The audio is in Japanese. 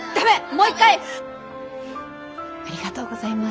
もう一回！ありがとうございます。